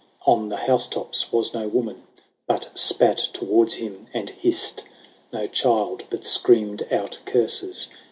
On the house tops was no woman But spat towards him and hissed ; No child but screamed out curses.